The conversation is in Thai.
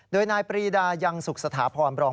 โดยนายปรีดายังสุขสถาพรบรอง